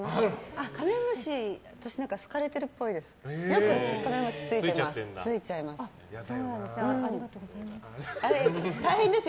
カメムシ、私好かれてるっぽいです。